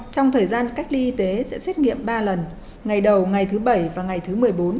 trong thời gian cách ly y tế sẽ xét nghiệm ba lần ngày đầu ngày thứ bảy và ngày thứ một mươi bốn